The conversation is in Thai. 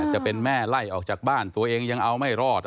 จะเป็นแม่ไล่ออกจากบ้านตัวเองยังเอาไม่รอด